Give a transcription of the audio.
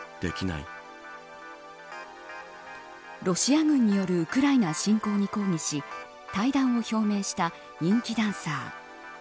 ロシア軍によるウクライナ侵攻に抗議し退団を表明した人気ダンサー。